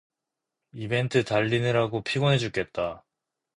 이벤트 달리느라고 피곤해 죽겠다.